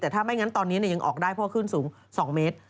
แต่ถ้าไม่งั้นตอนนี้ยังออกได้เพราะขึ้นสูง๒เมตร